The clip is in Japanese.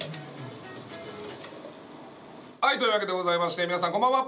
はいというわけでございまして皆さんこんばんは。